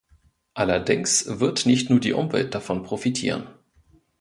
Allerdings wird nicht nur die Umwelt davon profitieren.